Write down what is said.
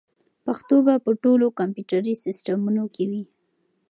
پښتو به په ټولو کمپیوټري سیسټمونو کې وي.